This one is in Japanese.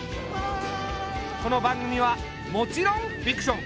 この番組はもちろんフィクション。